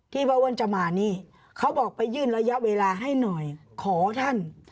ป้าอ้วนจะมานี่เขาบอกไปยื่นระยะเวลาให้หน่อยขอท่าน